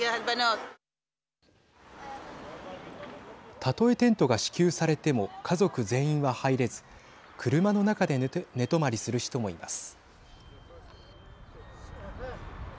たとえテントが支給されても家族全員は入れず車の中で寝泊まりする人もいます。